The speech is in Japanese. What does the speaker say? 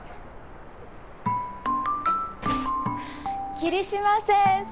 霧島先生！